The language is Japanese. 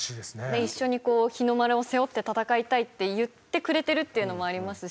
一緒に日の丸を背負って戦いたいって言ってくれてるっていうのもありますし。